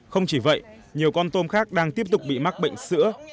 không chỉ vậy nhiều con tôm khác đang tiếp tục bị mắc bệnh sữa